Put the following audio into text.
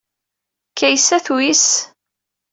Kaysa tuyes.